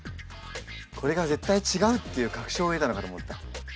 これが絶対違うっていう確証を得たのかと思った。